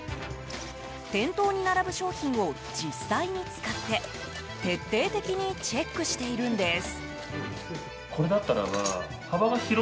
店頭に並ぶ商品を実際に使って徹底的にチェックしているんです。